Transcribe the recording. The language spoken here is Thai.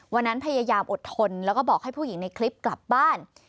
พยายามอดทนแล้วก็บอกให้ผู้หญิงในคลิปกลับบ้าน